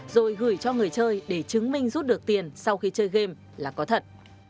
rồi gửi cho người chơi để chứng minh rút được tiền sau khi chơi game là có thật